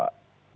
pak wali kota